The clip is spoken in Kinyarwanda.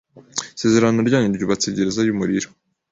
isezerano ryanyu ryubatse gereza yumuriro